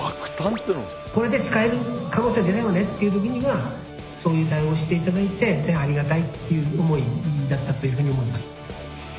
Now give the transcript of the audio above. これで使える可能性出るよねっていう時にはそういう対応していただいてありがたいっていう思いだったというふうに思います。